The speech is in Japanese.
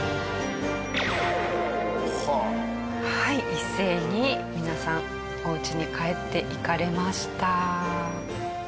一斉に皆さんおうちに帰って行かれました。